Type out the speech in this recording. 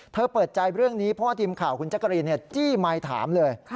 เธอเปิดใจเรื่องนี้เพราะว่าทีมข่าวของคุณจักรีนจี้ไม้ถามเลย